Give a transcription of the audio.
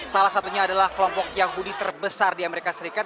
salah satunya adalah kelompok yahudi terbesar di amerika serikat